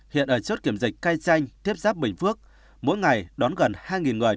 hiện ở chốt kiểm dịch cai chanh thiếp giáp bình phước mỗi ngày đón gần hai người